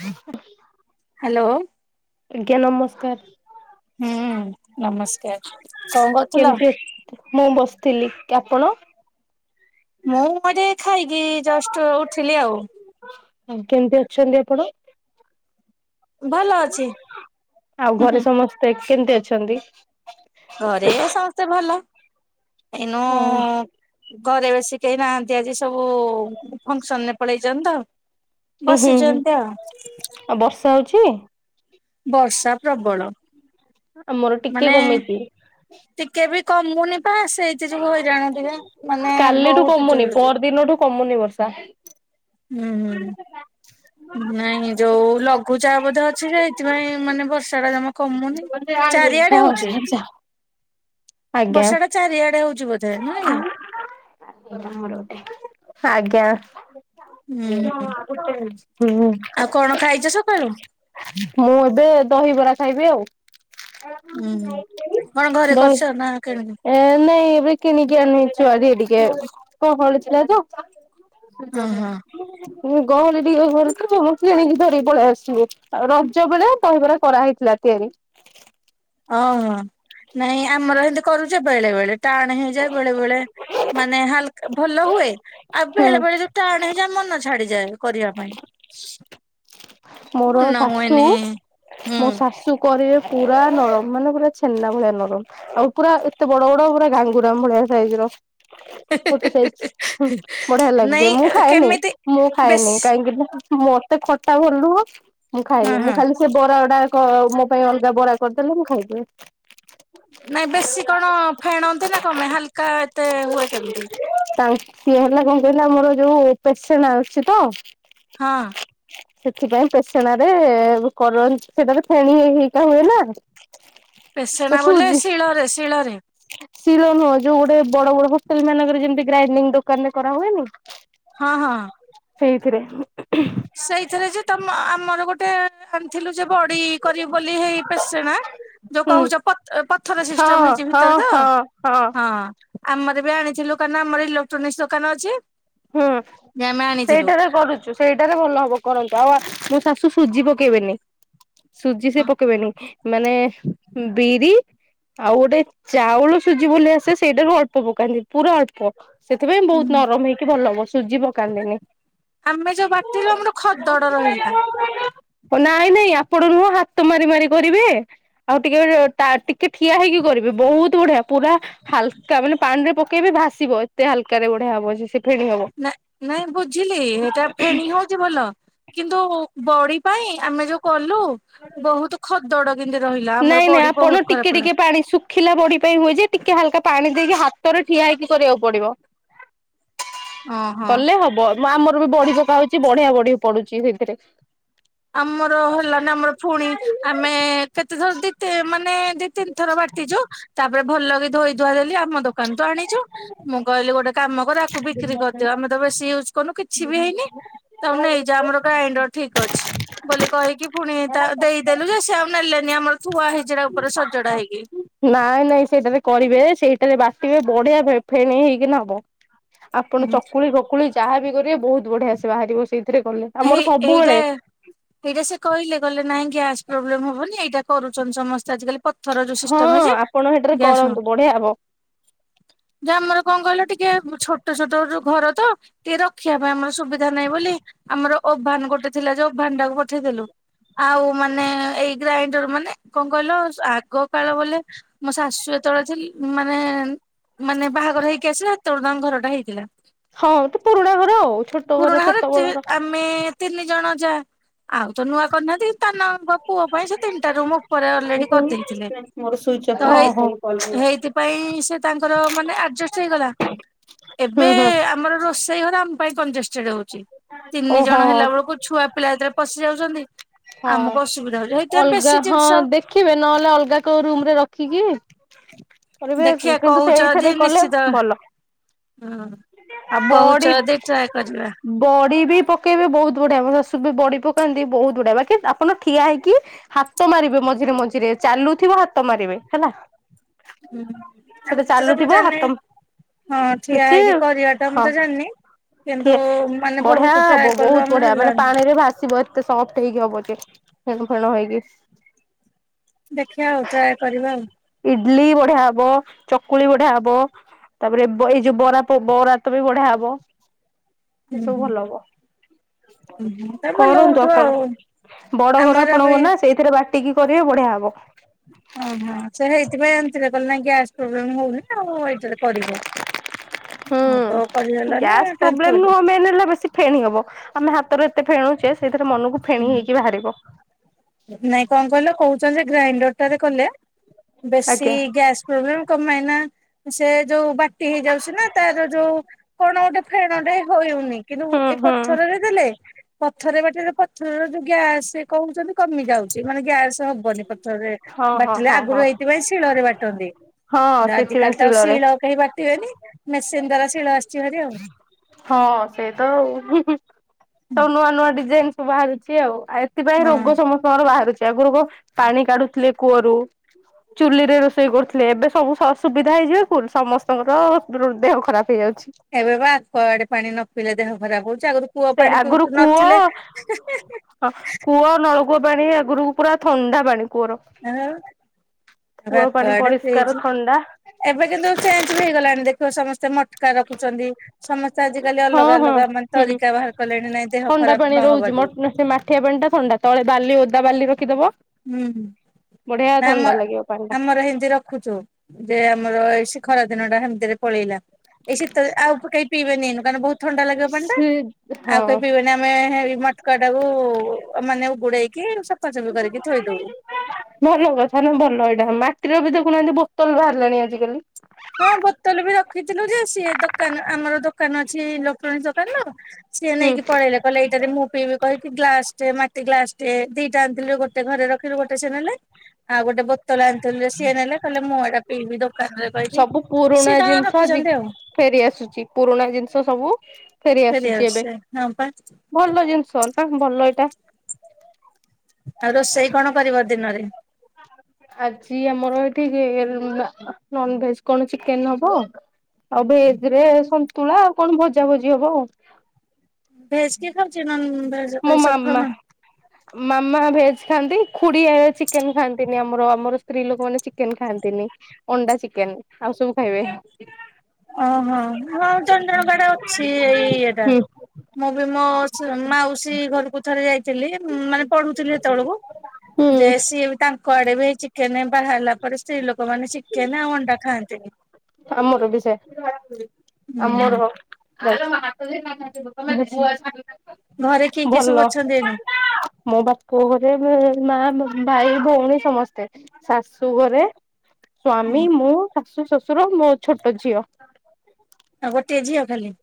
ହ ହ୍ୟାଲୋ। ଆଜ୍ଞା ନମସ୍କାର। ହୁଁ ନମସ୍କାର। କଣ କରୁଥିଲ? କେମିତି ମୁଁ ବସିଥିଲି। ଆପଣ? ମୁଁ ଗୋଟେ ଖାଇକି ଜଷ୍ଟ ଉଠିଲି ଆଉ। ଆଉ କେମିତି ଅଛନ୍ତି ଆପଣ? ଭଲ ଅଛି। ଆଉ ହୁଁ ହୁଁ ଘରେ ସମସ୍ତେ କେମିତି ଅଛନ୍ତି? ଘରେ ସମସ୍ତେ ଭଲ ଏଇନୁ ହୁଁ ଘରେ ବେଶୀ କେହି ନାହାନ୍ତି ଆଜି ସବୁ ଫଙ୍କସନରେ ପଳେଇଛନ୍ତି ତ। ହୁଁ ହୁଁ ବସିଛୁ ହୁଁ ଏମିତି ଆଉ ଆଉ ବର୍ଷା ହୋଉଚି? ବର୍ଷା ପ୍ରବଳ। ଆମର ଟିକେ ମାନେ କମିଚି। ଟିକେ ବି କମୁନି ବା ସେଇ ଏତ ସବୁ [unintelligible] କାଲିଠୁ ବହୁତ କମୁନି ଜୋରେ ପର ହଉଚି। ଦିନଠୁ କମୁନି ବର୍ଷା। ହୁଁ ହୁଁ। ନାଇଁ ଯୋଉ ଲଘୁ ଚା ବୋଧେ ଅଛି ଯେ ଏଇଥିପାଇଁ ମାନେ ବର୍ଷା ଟା ଜମା କମୁନି ଚାରିଆଡେ ହଉଛି। ଆଜ୍ଞା ବର୍ଷା ଟା ଚାରିଆଡେ ହଉଛି ବୋଧେ ନୁହେଁ କି? ଆଜ୍ଞା। ହୁଁ ହୁଁ [unintelligible] ହୁଁ। ଆଉ କଣ ଖାଇଛ ସକାଳୁ? ମୁଁ ଏବେ ଦହିବରା ଖାଇବି ଆଉ। ଉୁଁ କଣ ଘରେ ଦହି କରିଛ ନା କିଣିକି? ଏ ନାଇଁ ଏବେ କିଣିକି ଆଣଛୁ ଆଜି [unintelligible] ଥିଲା ତ। [unintelligible] [unintelligible] ହଁ ହଁ କିଣିକି ଧରିକି ପଳେଇ ଆସିବୁ। ରଜ ବେଳେ ଦହିବରା କରାହେଇଥିଲା ତିଆରି। ଅ ହଁ। ନାଇଁ ଆମର ହେଁତି କରୁଚେ ବେଳେ ବେଳେ ଟାଣ ହେଇଯାଏ ବେଳେ ବେଳେ ମାନେ ହାଲ ଭଲ ହୁଏ ଆଉ ହୁଁ ବେଳେ ବେଳେ ଯୋଉ ଟାଣ ହେଇଯାଏ ମନ ଛାଡିଯାଏ କରିବା ପାଇଁ। ମୋର ମନ ଶାଶୁ ହୁଏନି। ହୁଁ ମୋ ଶାଶୁ କରିବେ ପୁରା ନରମ ମାନେ ପୁରା ଛେନା ଭଳିଆ ନରମ। ଆଉ ପୁରା ଏତେ ବଡ ବଡ ପୁରା ଗାଙ୍ଗୁରା ଭଳିଆ ସାଇଜିର ଗୋଟେ ସାଇଜି। ହୁଁ ବଢିଆ ନାଇଁ ଲାଗେ ମୁଁ ଖାଏନି କେମିତି ମୁଁ ଖାଏନି ବେଶୀ କାହିଁକି ନା ମତେ ଖଟା ଭଲୁହ ମୁଁ ହଁ ଖାଏନି ମୁଁ ହଁ। ଖାଲି ସେ ବରା ଗୁଡା ହଁ ମୋ ପାଇଁ ଅଲଗା ବରା କରିଦେଲେ ମୁଁ ଖାଇଦିଏ। ନାଇଁ ବେଶୀ କଣ ଫେଣନ୍ତି ନା କମେ ହାଲକା ଏତେ ହୁଏ କେମିତି? ତା ସିଏ ହେଲା କଣ କହିଲ ଆମର ଯୋଉ ପେସେଣା ଆସଛି ତ। ହଁ। ସେଥିପାଇଁ ପେଛଣ ରେ କରନ୍ତି ସେଟାରେ ଫେଣୀ ହେଇ ହେଇକା ହୁଏ ନା। ପେସଣା ବୋଲେ ଶିଳରେ ଶିଳରେ? ଶୀଳ ନୁହଁ ଯୋଉ ଗୋଟେ ବଡ ବଡ ହୋଷ୍ଟେଲ ମାନଙ୍କରେ ଯେମିତି ଗ୍ରାଇଡି ଦୋକାନ ରେ କରା ହୁଏନି? ହଁ ହଁ। ସେଇଥିରେ। ସେଇଥିରେ ଯେ ତମ ଆମର ଗୋଟେ ଆଣିଥିଲୁ ଯେ ବଡି କରିବୁ ବୋଲି ହେଇ ପେସେଣା। ଯୋଉ ହୁଁ କହୁଛ ପ ପଥର ହଁ ସିଷ୍ଟମ ହେଇଛି ହଁ ଭିତରେ ତ ହଁ ହଁ ହଁ। ଆମର ବି ଆଣିଥିଲୁ କାରଣ ଆମର ଇଲେକ୍ଟ୍ରୋନିକ୍ସ ଦୋକାନ ଅଛି। ହୁଁ ଯେ ଆମେ ଆଣିଥିଲୁ ସେଇଟାରେ କରୁଛୁ। ସେଇଟାରେ ଭଲ ହବ କରନ୍ତୁ ଆଉ ମୋ ଶାଶୁ ସୁଜି ପକେଇବେନି। ସୁଜି ସେ ପକେଇବେନି ମାନେ ବିରି ଆଉ ଗୋଟେ ଚାଉଳ ସୁଜି ବୋଲି ଆସେ ସେଇଟାରୁ ଅଳ୍ପ ପକାନ୍ତି। ପୁରା ଅଳ୍ପ ସେଥିପାଇଁ ବହୁତ୍ ନରମ ହେଇକି ଭଲ ହବ ସୁଜି ପ କାନ୍ଦିନି। ଆମେ ଯୋଉ ନାଇଁ ବାଟିଲୁ ଆମର ଖଦଡ ରହିଲା ଦେଇ ରୁହ ଆପଣ ନୁହଁ ହାତ ମାରି ମାରି କରିବେ। ଆଉ ଟିକେ ଟିକେ ଠିଆ ହେଇକି କରିବେ ବହୁତ୍ ବଢିଆ ପୁରା ହାଲ୍କା ମାନେ ପାଣି ରେ ପକେଇବେ ଭାସିବ ଏତେ ହାଲ୍ କାରେ ବଢିଆ ହବ ସେ ଫେଣି ହବ। ନା - ନାଇଁ ବୁଝିଲି ଏଟା ଫେଣିୀ ହଉଛି ଭଲ କିନ୍ତୁ ବଡି ପାଇଁ ଆମେ ଯୋଉ କଲୁ ବହୁତ ଖଦଡ କିନ୍ତୁ ରହିଲା ଆମର ନାଇଁ ନାଇଁ ବଡି ଆପଣ ବହୁତ ଖରାପ ଟିକେ ହେଲା ଟିକେ ପାଣି ଶୁଖ ରଖିଲା ବଡି ପାଇଁ ହୁଏ ଯେ ଟିକେ ହାଲକା ପାଣି ଦେଇକି ହାତରେ ଠିଆ ହେଇକି କରିବାକୁ ପଡିବ। ଓହୋ କଲେ ହବ ଆମର ବି ବଢି ପକା ହଉଛି ବଢିଆ ବଢି ପଡୁଛି ସେଥିରେ। ଆମର ହେଲାନି ଆମର ପୁଣି ଆମେ କେତେଥର ଆମେ ଦିତେ ମାନେ ଦି ଦି ତିନିଥର ବାଟିଚୁ ତାପରେ ଭଲ କି ଧୋଇ ଧୁଆ ଦେଲି ଆମ ଦୋକାନ ରୁ ତ ଆଣିଛୁ। ମୁଁ କହିଲି ଗୋଟେ କାମ କର ଆକୁ ବିକ୍ରି କରିଦିଅ ଆମେ ତ ବେଶୀ ୟୁଜ୍ କରନୁ କିଛି ବି ହେଇନି। ତମେ ନେଇଯା ଆମର ଗ୍ରାଇଣ୍ଡର ଠିକ୍ ଅଛି। ବୋଲି କହିକି ପୁଣି ତା ଦେଇଦେଲୁ ଯେ ସେ ଆଉ ନେଲେନି ଆମର ଥୁଆ ହେଇଛି ହେଇଟା ଉପରେ ସଜଡା ହେଇକି। ନାଇଁ ନାଇଁ ସେଇଟାରେ କରିବେ ସେଇଟାରେ ବାଟିବେ ବଢିଆ ଫେ, - ଫେଣେଇ ହେଇକି ନି ହବ। ଆପଣ ହୁଁ ଚକୁଳି ଫକୁଳି ଯାହାବି କରିବେ ବହୁତ୍ ବଢିଆ ସେ ବାହାରିବ ସେଇଥିରେ କଲେ। ହେ ଆମର ହେଇ ସବୁବେଳେ ହେଇଟା। ଏଇଟା ସେ କହିଲେ କହିଲେ ନାଇଁ ଗ୍ୟାସ୍ ପ୍ରୋବ୍ଲେମ ହବନି ଏଇଟା କରୁଛନ୍ତି ସମସ୍ତେ ଆଜିକାଲି। ପଥର ଯୋଉ ହଁ ସିଷ୍ଟମ୍ ହେଇଛି ଆପଣ ହେଠାରେ ଗ୍ୟାସ୍ ନୁହେଁ। କରନ୍ତୁ ବଢିଆ ହବ। ଯୋଉ ଆମର କଣ କହିଲ ଟିକେ ଛୋଟ ଛୋଟ ଯୋଉ ଘର ତ। ଟିକେ ରଖିବା ପାଇଁ ଆମର ସୁବିଧା ନାହିଁ ବୋଲି ଆମର ଓଭାନ୍ ଗୋଟେ ଥିଲା ଯେ ଓଭାନ୍ ଟାକୁ ପଠେଇଦେଲୁ। ଆଉ ମାନେ ଏଇ ଗ୍ରାଇଣ୍ଡର ମାନେ କଣ କହିଲ ଆଗ ସଖାଳେ ବୋଲେ ମୋ ଶାଶୁ ଯେତେବେଳେ ଥିଲେ ମାନେ ମାନେ ବାହାଘର ହେଇକି ଆସିଲା ସେତେବେଳେ ତାଙ୍କ ଘରଟା ହେଇଥିଲା। ହଉ ତୁ ପୁରୁଣା ଘର ଆଉ ଛୋଟ ଘର ସେତେବେଳର। ଆମେ ତିନି ଜଣ ଯା ଆଉ ତ ନୂଆ କରିନାହାନ୍ତି। ତାଙ୍କ ପୁଅ ପାଇଁ ସେ ତିନିଟା ରୁମ ଉପରେ ଅଲରେଡି କରିଦେଇଥିଲେ ତ ହେଇ [unintelligible] ହେଇଥିପାଇଁ ସେ ତାଙ୍କର ମାନେ ଆଡଜଷ୍ଟ ହେଇଗଲା। ଏବେ ହୁଁ ହୁଁ ଆମର ରୋଷେଇ ଘର ଆମ ପାଇଁ କଂଜେଷ୍ଟେଡ ହଉଛି। ତିନି ଓହୋ ଜଣ ହେଲା ବେଳକୁ ଛୁଆ ପିଲା ଯେତେବେଳେ ପଶି ଯାଉଛନ୍ତି ହଁ। ଆମକୁ ଅସୁବିଧା ହଉଛି ସେଇଥିପାଇଁ ବେଶୀ ଜିନିଷ ରଖିବେ ନହେଲେ ଅଲଗା କୋଉ ରୁମ ରେ ରଖିକି କରିବେ ଦେଖିବା କିନ୍ତୁ ସେ କହୁଛ ଯଦି ଏଇଥିରେ କଲେ ନିଶ୍ଚିତ ଭଲ। ହୁଁ ଆଉ କହୁଛ ବଡି ଯଦି ଟ୍ରାଏ କରିବା। ବଡି ବି ପକେଇବବେ ବହୁତ୍ ବଢିଆ ମୋ ଶାଶୁକୁ ବି ବଡି ପକାନ୍ତି ବହୁତ ବଢିଆ ବା କି ଆପଣ ଠିଆ ହେଇକି ହାତ ମାରିବେ ମଝିରେ ମଝିରେ ଚାଲୁଥିବ ହାତ ମାରିବେ ହେଲା। ହୁଁ ଆଉ ତ ସେଟା ମୁଁ ତ ସବୁ ଚାଲୁଥିବ ହାତ ଜାଣିନି [unintelligible] ହଁ, ଠିଆ ହେଇକି କରିବାଟା ମୁଁ ତ ଜାଣିନି। ଠେ କିନ୍ତୁ ମାନେ ବଢିଆ ବହୁତ ଟ୍ରାଏ ହବ କଲୁ ବହୁତ୍ ଆମର ବଢିଆ ମାନେ ହେଲାନି। ପାଣି ରେ ଭାସିବ ଏ ଏତେ ସଫ୍ଟ ହେଇକି ହବ ଯେ ଫେଣ ଫେଣ ହେଇକି। ଦେଖିଆ ଆଉ ଟ୍ରାଏ କରିବା ଆଉ। ଇଡଲି ବଢିଆ ହବ, ଚକୁଳି ବଢିଆ ହବ। ତାପରେ ଏଇ ଯୋଉ ବରା ବରା ତ ବି ବଢିଆ ହବ। ହୁଁ ଏସବୁ ହୁଁ। ଭଲ ହବ ଓହୋ ତ ଭଲ କରନ୍ତୁ ହଉଥିବ ଆଉ ଆପଣ। ବଡ ଘର ଆମର ବି ଆପଣଙ୍କର ନା ସେଇଥିରେ ବାଟିକି କରିବେ ବଢିଆ ହବ। ଓହୋ ସେଇଥିପାଇ ଏମତିରେ କଲେ ନା ଗ୍ୟାସ୍ ପ୍ରୋବ୍ଲେମ ହଉନି ଆଉ ଏ କରିବ ହଉ ହୁଁ ତ କରିହେଲାନି ଗ୍ୟାସ୍ ପ୍ରୋବ୍ଲେମ ନୁହଁ [unintelligible] ମେନ୍ ହେଲା ବେଶୀ ଫେଣି ହବ ଆମେ ହାତରୁ ଏତେ ଫେଣୁଛେ ସେଇଥିରେ ମନକୁ ଫେଣି ହେଇକି ବାହାରିବ। ନାଇଁ କଣ କହିଲ କହୁଛନ୍ତି ଯେ ଗ୍ରାଇଣ୍ଡରଟାରେ କଲେ ବେଶୀ ଆଜ୍ଞା ଗ୍ୟାସ୍ ପ୍ରବ୍ଲେମ କଣ ପାଇଁ ନା ସେ ଯୋଉ ବାଟି ହେଇଯାଉଛି। ନା ତାର ଯୋଉ କଣ ଗୋଟେ ଫେଣଟେ ହଉନି କିନ୍ତୁ ହୁଁ ଏଇ ହୁଁ ପଥରରେ ଦେଲେ ପଥରରେ ବାଟିଲେ ପଥରର ଯୋଉ ଗ୍ୟାସ କହୁଛନ୍ତି କମି ଯାଉଛି ମାନେ ଗ୍ୟାସ ହବନି ପଥରରେ ହଁ ହଁ ବାଟିଲେ ହଁ ହଁ ଆଗରୁ ଏଇଥିପାଇଁ ଶିଳରେ ବାଟନ୍ତି। ହଁ ସେଥିପାଇଁ ଆଜିିକାଲି ତ ଆଉ ଶିଳରେ ଶିଳ କେହି ବାଟିବେନି ମେସିନ ଦ୍ୱାରା ଶିଳ ଆସିଛି ହେରି ଆଉ। ହଁ ସେଇ ତ ଆଉ ସବୁ ନୂଆ ନୂଆ ଡିଜାଇନ। ବାହାରୁଛି ଆଉ ଆଉ ଏଥିପାଇଁ ରୋଗ ହଁ। ସମସ୍ତଙ୍କର ବାହାରୁଛି ଆଗରୁ କ ପାଣି କାଢୁଥିଲେ କୂଅରୁ ଚୁଲି ରେ ରୋଷେଇ କରୁଥିଲେ ଏବେ ସବୁ ସୁବିଧା ହେଇଯିବା କୁ ସମସ୍ତଙ୍କର ଦେହ ଖରାପ ହେଇଯାଉଛି। ଏବେ ବା ଆକ୍ୱାଗାର୍ଡ ପାଣି ନ ପିଇଲେ ଦେହ ଖରାପ ହଉଛି। ଆଗରୁ କୂଅ ସେ ପାଣି ଆଗରୁ ପିଉ କୂଅ ନଥିଲେ। ହଁ କୂଅ ନଳକୂଅ ପାଣି ଆଗରୁ ପୁରା ଥଣ୍ଡା ପାଣି କୂଅର। ଆଉ ଏବେ କୂଅର ପାଣି ଆକ୍ୱାଗାର୍ଡ ଫ୍ରିଜ ପରିଷ୍କାର ଥଣ୍ଡା। ଏବେ କିନ୍ତୁ ଚେଞ୍ଜ ବି ହେଇଗଲାଣି ଦେଖ ସମସ୍ତେ ମଟକାରେ ରଖୁଛନ୍ତି। ସମସ୍ତେ ଆଜିିକାଲି ହଁ ଅଲଗା ହଁ ଅଲଗା ମାନେ ହୁଁ ତରିକା ବାହାର କଲେଣି ନାଇଁ ଦେହ ଖରାପ ନହବା ଯୋ। ଠିଆପାଣି ଟା ଥଣ୍ଡା ତଳେ ବାଲି ଓଦା ବାଲି ରଖିଦବ ହୁଁ ବଢିଆ ନା ଆମ ଥଣ୍ଡା ଲାଗିବ ପାଣି ଟା ଆମର ଏମତି ରଖୁଛୁ। ଯେ ଆମର ଏଇ ସି ଖରା ଦିନ ଟା ହେମିତିରେ ପଳେଇଲା। ଏଇ ଶୀତରେ ଆଉ କେହି ପିଇବେନି ଏଇନୁ କାରଣ ବହୁତ ଥଣ୍ଡା ଲାଗିବ ପଣିଟା ସେ ଆଉ କେହି ହଁ ପିଇବେନି। ଆମେ ହେ ମାଟକା ଟାକୁ ମାନେ ଉଗୁଡେଇକି ସଫାସୁଫି କରିକି ଥୋଇଦବୁ। ଭଲ କଥା ନା ଭଲ ଏଇଟା ମାଟିର ବି ଦେଖୁନାହାନ୍ତି ବୋତଲ ବାହାରିଲାଣି ଆଜିକାଲି। ହଁ ବୋତଲ ବି ରଖିଥିଲୁ ଯେ ସିଏ ଦୋକାନ ଆମର ଦୋ ଦୋକାନ ଅଛି ଇଲେକ୍ଟ୍ରୋନିକ୍ ଦୋକାନ। ତ ସିଏ ହୁଁ ନେଇକି ପଳେଇଲେ କହିଲେ ଏଇଟା ରେ ମୁଁ ପିବେ କହିକି ଗ୍ଲାସ ଟେ ମାଟି ଗ୍ଲାସ ଟେ ଦିଟା ଆଣିଥିଲୁ ଗୋଟେ ଘରେ ରଖିଲୁ ଗୋଟେ ସେ ନେଲେ। ଆଉ ଗୋଟେ ବୋତଲ ଆଣିଥିଲୁ ଯେ ସିଏ ନେଲେ କହିଲେ ମୁଁ ଏଇଟା ପିଇବି ଦୋକାନରେ କହିକି ସବୁ ପୁରୁଣା ସିଏ ତାଙ୍କର ଜିନିଷ ଆଜି ରଖିଛନ୍ତି ଆଉ ଫେରି ଆସୁଛି ପୁରୁଣା ଜିନିଷ ସବୁ ଫେରି ଫେରିଆର ଆସୁଛି ଏବେ। ସେ ହଁ ପା ଭଲ ଜିନିଷ ନା ଭଲ ଏଇଟା। ଆଉ ରୋଷେଇ କଣ କରିବ ଦିନରେ? ଆଜି ଆମର ଏଠି ନ ନନଭେଜ କଣ ଚିକେନ ହବ। ଆଉ ଭେଜ ରେ ସନ୍ତୁଳା ଆଉ କଣ ଭଜା ଭଜି ହବ ଆଉ। ଭେଜ କିଏ ଖାଉଛି ନନ୍ ମୋ ମାମା। ମାମା ଭେଜ ଖାଆନ୍ତି ଖୁଡି ଏ ଚିକେନ ଖାଆନ୍ତିନି ଆମର ଆମର ସ୍ତ୍ରୀ ଲୋକମାନେ ଚିକେନ ଖାଆନ୍ତିନି। ଅଣ୍ଡା, ଚିକେନ ଆଉ ସବୁ ଖାଇବେ। ଓହୋ ହଁ ଜଣଜଣଙ୍କ ଆଡେ ଅଛି ଏଇ ଇଏଟା। ମୁଁ ବି ମୋ ମାଉସୀ ଘରକୁ ଥରେ ଯାଇ ଥିଲି ମାନେ ପଢୁଥିଲି ହେତେବେଳକୁ ଯେ ହୁଁ ସିଏ ବି ତା କୁଆଡେ ବି ଚିକେନ ବାହାହେଲା ପରେ ସ୍ତ୍ରୀ ଲୋକମାନେ ଚିକେନ ଆଉ ଅଣ୍ଡା ଖାଆନ୍ତିନି। ଆମର ବି ସେଇୟା। ହୁଁ ହୁଁ। ଆମର [unintelligible] ଘରେ କିଏ କିଏ ଭଲ ସବୁ ଅଛନ୍ତି ଏନୁ? ମୋ ବାପ ଘରେ ମୋ ମା, ଭାଇ, ଭଉଣୀ ସମସ୍ତେ। ଶାଶୁ ଘରେ ସ୍ଵାମୀ ମୁଁ ଶାଶୁ, ଶ୍ୱଶୁର, ମୋ ଛୋଟ ଝିଅ। ଆଉ ଗୋଟେ ଝିଅ ଖାଲି ‌।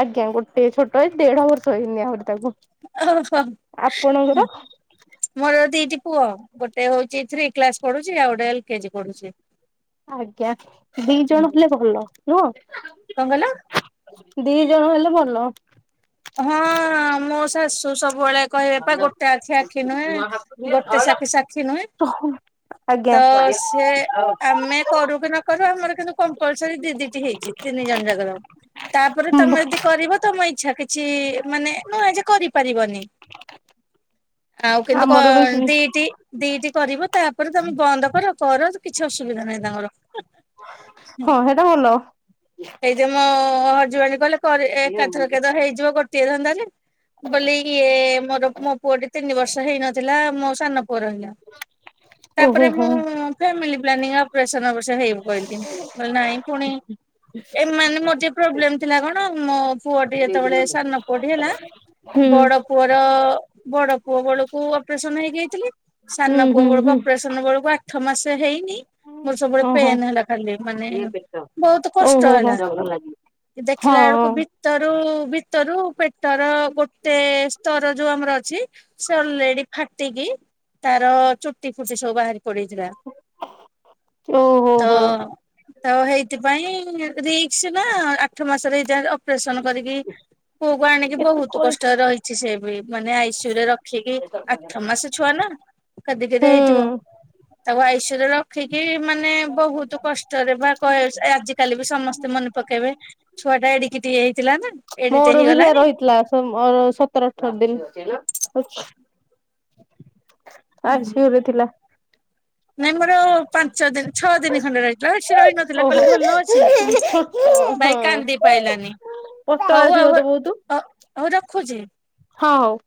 ଆଜ୍ଞା ଗୋଟେ ଛୋଟ ଏ ଦେଢ ବର୍ଷ ହେଇନି ଆହୁରି ତାକୁ। ଓହୋ ଆପଣଙ୍କର ହେ ମୋର ଦିଟି ପୁଅ ଗୋଟେ ହଉଛି ଥ୍ରୀ କ୍ଲାସ ପଢୁଛି ଆଉ ଗୋଟେ ଏଲ କେଜି ପଢୁଛି। [inaudible] ଆଜ୍ଞା ଦି ଜଣ ହେଲେ ଭଲ। ନୁହ? କଣ କହିଲ? ଦି ଜଣ ହେଲେ ଭଲ। ହଁ ମୋ ଶାଶୁ ସବୁବେଳେ କହିବେ ପା ଗୋଟେ ଆଖି ଆଖି ନୁହେଁ ଗୋଟେ ସାକ୍ଷୀ ସାକ୍ଷୀ ନୁହେଁ। ଓହୋ ତ ସେ ଆମେ କରୁ କି ନ କରୁ ଆମର କିନ୍ତୁ କମ୍ପଲସରୀ ଦି ଦିଟି ହେଇଛି। ତିନି ଜଣ ଜାଗର ତାପରେ ତମେ ଯଦି କରିବ ତମ ଇଛା କିଛି ମାନେ ନୁହେଁ ଯେ କରିପାରିବନି। ଆଉ କିନ୍ତୁ କ ଆମର ବି ହଁ ଦିଦି ଟି ଦିଇଟି କରିବ ତାପରେ ତମେ ବନ୍ଦ କର କର କିଛି ଅସୁବିଧା ନାହିଁ ତାଙ୍କର। ହଁ ହେଟା ଭଲ। ଏଇ ଯେ ମୋ ହଜବେଣ୍ଡ କହିଲେ କରେ ଏକାଥରକେ ହେଇଯିବ ଗୋଟିଏ ରନ୍ଧା ରେ। ବୋଲି ଇଏ ମୋର ମୋ ମୋ ପୁଅ ଟି ତିନି ବର୍ଷ ହେଇନଥିଲା ମୋ ସାନ ପୁଅ ରହିଲା। ଓହୋ ତାପରେ ହୋ ମୁଁ ଫ୍ୟାମିଲି ପ୍ଲାନିଂ ଅପରେସନ ଅବସ୍ୟ ହେଇ ପ ଇଲି କହିଲି ନାଇଁ ପୁଣି ଏ ମାନେ ମୋର ଟିକେ ପ୍ରୋବ୍ଲେମ ଥିଲା କଣ ମୋ ପୁଅଟି ଯେତେବେଳେ ସାନ ପୁଅଟି ହେଲା ହୁଁ ବଡଅ ପୁଅର ବଡ ପୁଅ ବେଳକୁ ଅପରେସନ ହେଇଯାଇଥିଲି। ସାନ ହୁଁ ପୁଅ ହୁଁ ବେଳକୁ ହୁଁ ଅପରେସନ ବେଳକୁ ଆଠ ମାସ ହେଇ ମୋର ସବୁବେଳେ ଓହୋ ପେନ୍ ହେଲା ଖାଲି ମାନେ ବହୁତ କ ସ। ଷ୍ଟ ଓହୋ ହେଲା ହୋ କି ଦେଖିଲା ବେଳକୁ ହଁ ଭି ଭିତରୁ ଭିତରୁ ପେଟର ଗୋଟେ ସ୍ତର ଯୋଉ ଆମର ଅଛି। ସେ ଅଲରେଡି ଫାଟିକି ତାର ଚୁଟି ଫୁଟି ସବୁ ବାହାରିକି ପଡିଥିଲା ଓହୋ ତ ହୋ ତ ହେଇଥିପାଇଁ ରିକ୍ସ ନା ଆଠ ମାସରେ ହେଇଯାଏ ଅପରେସନ କରିକି ପୁଅ କୁ ଆଣିକି ଏତେ ବହୁତ କଷ୍ଟ କରିଛି। ରେ ରହିଛି ସେ ବି ମାନେ ଆଇସିୟୁ ରେ ରଖିକି ଆଠ ମାସ ଛୁଆ ନା କେଦି ହୁଁ କେଦେ ହେଇଥିବ। ତାକୁ ଆୟୁଷୁରେ ରଖିକି ମାନେ ବହୁତ କଷ୍ଟରେ ବା ଆଜିକାଲି ସମସ୍ତେ ମନେ ପକେଇବେ ଛୁଆ ଟା ଏଡିକି ଟିକେ ହେଇଥିଲା ନା। ଏଡିଟେ ମୋର ବି ସେ ହେଇଗଲାଣି ରହିଥିଲା। ମୋର ସତର ଅଠର ଦିନି। ଆୟୁଷୁରେ ଥିଲା। ନାଇଁ ମୋର ପାଞ୍ଚ ଦିନ ଛଅ ଦିନ ଖଣ୍ଡେ ରହିଥିଲା ସେ ବେସି ରହିନଥିଲା ଓହୋ କହିଲେ ଭଲ ଅଛି। ଛୋଟ ଭାଇ ହଁ କାନ୍ଦି ପାଇଲାନି ପତଳା ହଉ ଥିବ ଆଉ ତ ବହୁତ ହଉ ରଖୁଚି। ହଁ ହଉ।